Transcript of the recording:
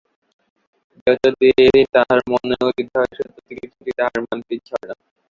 যে উত্তরটি তাহার মনে উদিত হয় সে উত্তরটি কিছুতেই তাহার মানিতে ইচ্ছা হয় না।